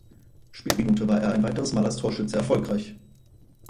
Spielminute war er ein weiteres Mal als Torschütze erfolgreich.